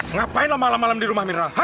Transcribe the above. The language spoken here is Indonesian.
ngapain lo malam malam di rumah mirna